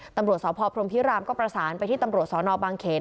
ตำรวจสพพรมพิรามก็ประสานไปที่ตำรวจสนบางเขน